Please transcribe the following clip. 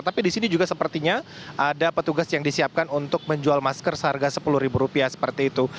tapi di sini juga sepertinya ada petugas yang disiapkan untuk menjual masker seharga sepuluh ribu rupiah seperti itu